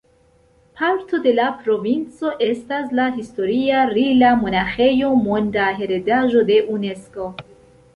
Parto de la provinco estas la historia Rila-monaĥejo, Monda Heredaĵo de Unesko.